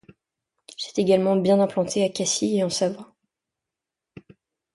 Il s'est également bien implanté à Cassis et en Savoie.